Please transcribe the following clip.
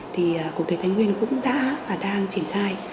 thì cục thế thánh nguyên cũng đã và đang triển khai